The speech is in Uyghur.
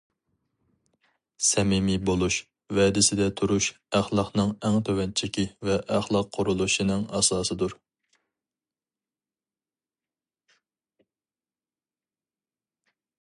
سەمىمىي بولۇش، ۋەدىسىدە تۇرۇش ئەخلاقنىڭ ئەڭ تۆۋەن چېكى ۋە ئەخلاق قۇرۇلۇشىنىڭ ئاساسىدۇر.